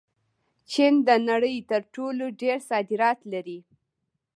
چین د نړۍ تر ټولو ډېر صادرات لري.